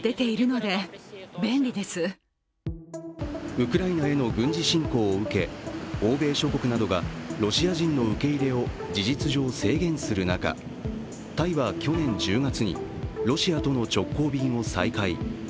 ウクライナへの軍事侵攻を受け、欧米諸国などがロシア人の受け入れを事実上制限する中、タイは去年１０月にロシアとの直航便を再開。